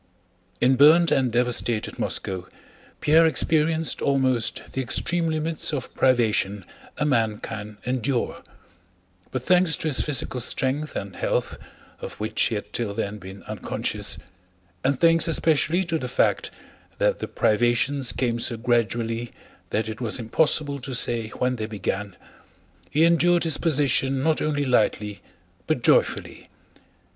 In burned and devastated Moscow Pierre experienced almost the extreme limits of privation a man can endure; but thanks to his physical strength and health, of which he had till then been unconscious, and thanks especially to the fact that the privations came so gradually that it was impossible to say when they began, he endured his position not only lightly but joyfully.